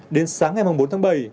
đến sáng ngày bốn tháng bảy